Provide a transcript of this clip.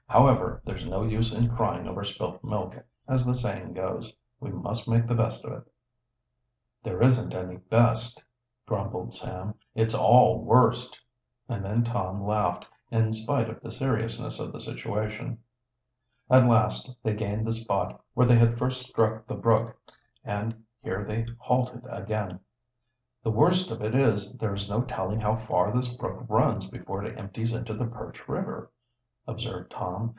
"However, there's no use in crying over spilt milk, as the saying goes. We must make the best of it." "There isn't any best," grumbled Sam. "It's all worst!" And then Tom laughed, in spite of the seriousness of the situation. At last they gained the spot where they had first struck the brook, and here they halted again. "The worst of it is, there is no telling how far this brook runs before it empties into the Perch River," observed Tom.